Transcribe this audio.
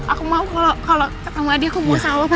aku mau kalau ketemu adi aku mau sama papa